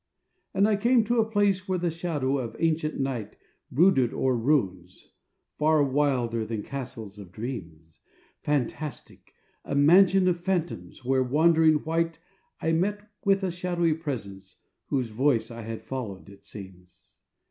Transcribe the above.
And I came to a place where the shadow of ancient Night Brooded o'er ruins, far wilder than castles of dreams, Fantastic, a mansion of phantoms, where, wandering white, I met with a shadowy presence whose voice I had followed it seems.